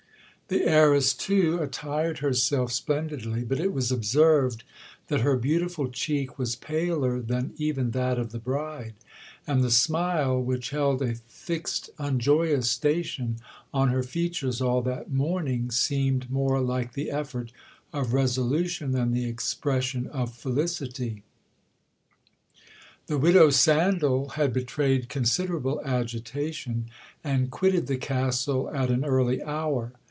The heiress, too, attired herself splendidly, but it was observed, that her beautiful cheek was paler than even that of the bride, and the smile which held a fixed unjoyous station on her features all that morning, seemed more like the effort of resolution than the expression of felicity. The widow Sandal had betrayed considerable agitation, and quitted the Castle at an early hour.